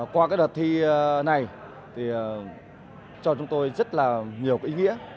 qua đợt thi này cho chúng tôi rất nhiều ý nghĩa